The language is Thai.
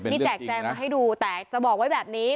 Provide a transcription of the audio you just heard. นี่แจกแจงมาให้ดูแต่จะบอกไว้แบบนี้